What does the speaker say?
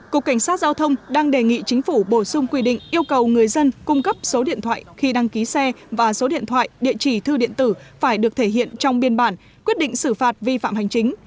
cục cảnh sát giao thông đang đề nghị chính phủ bổ sung quy định yêu cầu người dân cung cấp số điện thoại khi đăng ký xe và số điện thoại địa chỉ thư điện tử phải được thể hiện trong biên bản quyết định xử phạt vi phạm hành chính